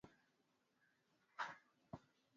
ni pamoja na Wakarewe Wazinza na Wahaya